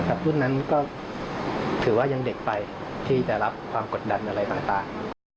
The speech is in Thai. แต่รุ่นนั้นก็ถือว่ายังเด็กไปที่จะรับความกดดันอะไรต่าง